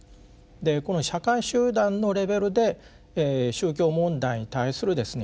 でこの社会集団のレベルで宗教問題に対するですね